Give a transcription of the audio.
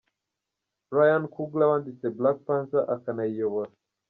Ryan Coogler wanditse Black Panther akanayiyobora.